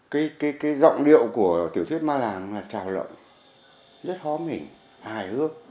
cái giọng điệu của tiểu thuyết ma làng là trào lộn rất hóa mình hài hước